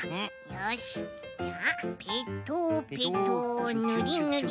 よしじゃあペトペトぬりぬり。